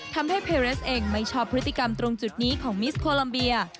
ทำให้เพเรสเองไม่ชอบพฤติกรรมตรงจุดนี้ของมิสโคลัมเบีย